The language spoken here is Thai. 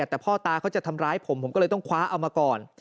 แต่พ่อตาเขาจะทำร้ายผมผมก็เลยต้องคว้าเอามาก่อน